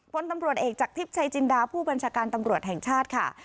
พลตำรวจเอกจากทิพย์ชัยจินดาผู้บัญชาการตำรวจแห่งชาติค่ะ